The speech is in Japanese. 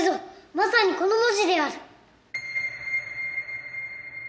まさにこの文字である。